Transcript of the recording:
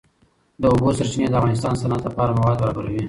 د اوبو سرچینې د افغانستان د صنعت لپاره مواد برابروي.